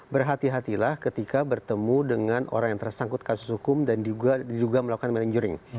berhati hatilah ketika bertemu dengan orang yang tersangkut kasus hukum dan juga diduga melakukan manajering